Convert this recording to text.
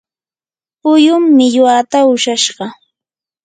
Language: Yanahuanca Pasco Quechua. puyum millwata ushashqa.